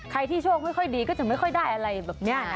ที่โชคไม่ค่อยดีก็จะไม่ค่อยได้อะไรแบบนี้นะ